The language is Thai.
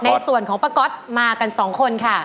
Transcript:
ในส่วนของประกอดมากัน๒คนค่ะ